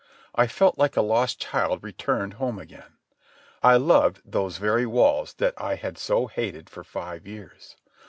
I felt like a lost child returned home again. I loved those very walls that I had so hated for five years.